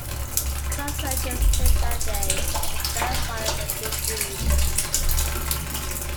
Some versions say that they expelled fire when they breathed.